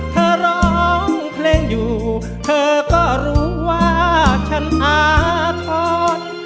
เธอร้องเพลงอยู่เธอก็รู้ว่าฉันอาธรณ์